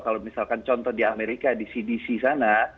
kalau misalkan contoh di amerika di cdc sana